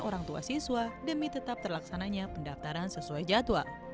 orang tua siswa demi tetap terlaksananya pendaftaran sesuai jadwal